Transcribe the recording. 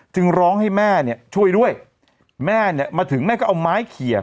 จึงร้องให้แม่เนี่ยช่วยด้วยแม่เนี่ยมาถึงแม่ก็เอาไม้เขียบ